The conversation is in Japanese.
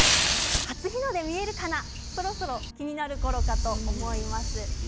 初日の出、見えるかなそろそろ気になるころかと思います。